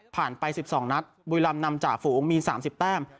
ผ่านไปสิบสองนัดบุรรรมนำจ่าฝูงมีสามสิบแป้ม